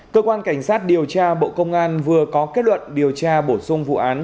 cơ quan cảnh sát điều tra bộ công an vừa có kết luận điều tra bổ sung vụ án